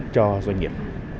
cho doanh nghiệp